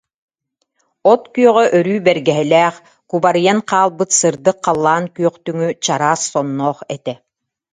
От күөҕэ өрүү бэргэһэлээх, кубарыйан хаалбыт сырдык халлаан күөхтүҥү чараас сонноох этэ